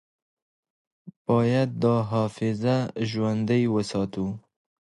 باید دا حافظه ژوندۍ وساتو.